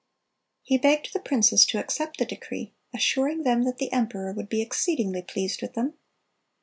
He "begged the princes to accept the decree, assuring them that the emperor would be exceedingly pleased with them."